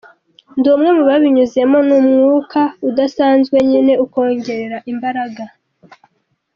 Ndi umwe mu babinyuzemo, ni umwuka udasanzwe nyine ukongerera imbaraga.